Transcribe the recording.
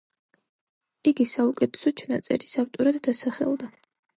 იგი საუკეთესო ჩანაწერის ავტორად დასახელდა.